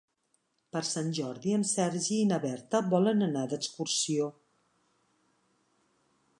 Per Sant Jordi en Sergi i na Berta volen anar d'excursió.